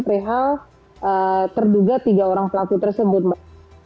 perihal terduga tiga orang pelaku tersebut mbak